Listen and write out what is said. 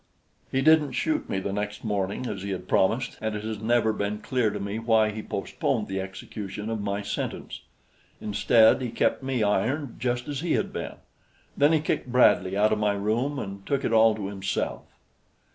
He didn't shoot me the next morning as he had promised, and it has never been clear to me why he postponed the execution of my sentence. Instead he kept me ironed just as he had been; then he kicked Bradley out of my room and took it all to himself.